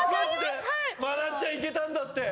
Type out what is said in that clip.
まなっちゃんいけたんだって。